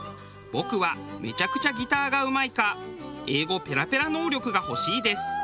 僕はめちゃくちゃギターがうまいか英語ペラペラ能力が欲しいです。